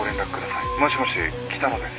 もしもし北野です